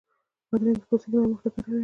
بادرنګ د پوستکي نرمښت ته ګټه لري.